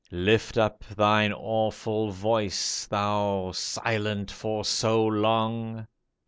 Lift up thine awful voice, Thou, silent for so long